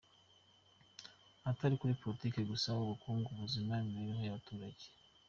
Atari kuri politike gusa, ubukungu, ubuzima, imibereho y’abaturage.